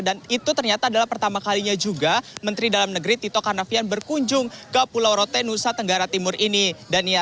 dan itu ternyata adalah pertama kalinya juga menteri dalam negeri tito karnavian berkunjung ke pulau rote nusa tenggara timur ini dania